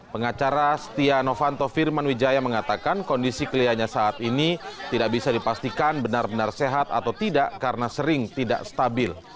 pengacara setia novanto firman wijaya mengatakan kondisi kliennya saat ini tidak bisa dipastikan benar benar sehat atau tidak karena sering tidak stabil